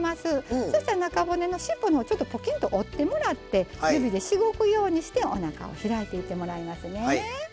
そしたら中骨、尻尾をちょっとポキッと折ってもらって指でしごくようにしておなかを開いていってもらいますね。